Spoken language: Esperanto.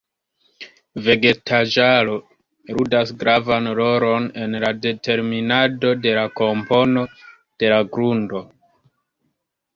Vegetaĵaro ludas gravan rolon en la determinado de la kompono de la grundo.